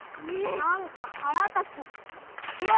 何か腹立つわ！